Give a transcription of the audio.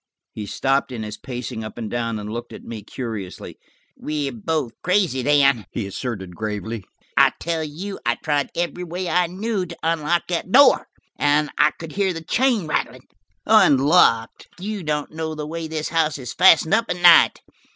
He stopped in his pacing up and down, and looked at me curiously. "We're both crazy then," he asserted gravely. "I tell you, I tried every way I knew to unlock that door, and could hear the chain rattling. Unlocked! You don't know the way this house is fastened up at night."